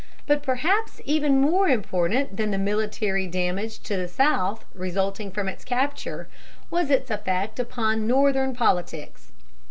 But perhaps even more important than the military damage to the South resulting from its capture, was its effect upon Northern politics.